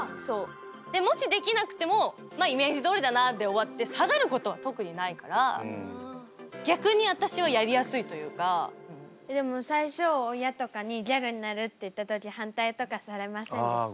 でもしできなくてもまあイメージどおりだなで終わって下がることは特にないからでも最初親とかにギャルになるって言った時反対とかされませんでしたか？